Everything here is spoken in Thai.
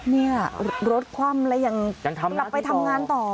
เนี่ยรถคว่ำแล้วยังกลับไปทำงานต่อ